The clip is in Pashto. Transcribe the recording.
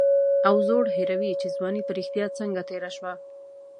او زوړ هېروي چې ځواني په رښتیا څنګه تېره شوه.